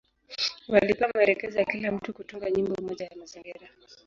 Walipewa maelekezo ya kila mtu kutunga nyimbo moja ya mazingira.